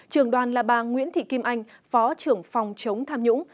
trường đoàn là bà nguyễn thị kim anh phó trưởng phòng chống tham nhũng